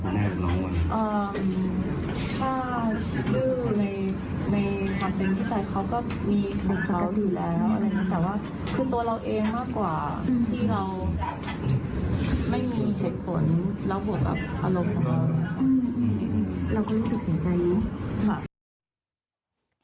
เราก็รู้สึกเสียใจ